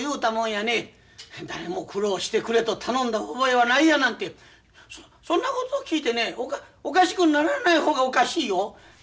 「誰も苦労してくれと頼んだ覚えはない」やなんてそんなこと聞いてねおかしくならない方がおかしいよ。